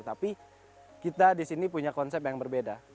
tapi kita di sini punya konsep yang berbeda